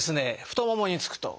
太ももにつくと。